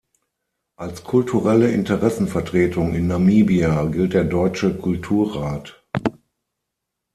Als kulturelle Interessenvertretung in Namibia gilt der Deutsche Kulturrat.